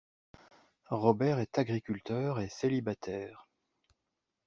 Robert est agriculteur et célibataire.